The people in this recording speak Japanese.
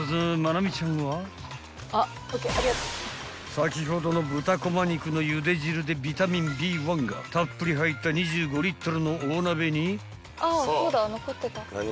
［先ほどの豚こま肉のゆで汁でビタミンＢ１がたっぷり入った２５リットルの大鍋に］